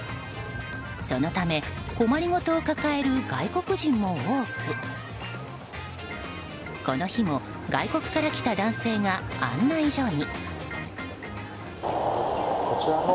そのため困りごとを抱える外国人も多くこの日も外国から来た男性が案内所に。